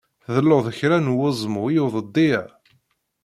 Tḍelluḍ kra n weẓmu i udeddi-a?